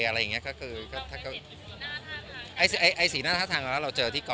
บางคนไม่มีทางไล่